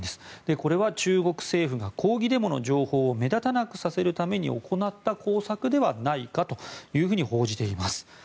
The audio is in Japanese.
これは中国政府が抗議デモの情報を目立たなくさせるために行った工作ではないかと報じています。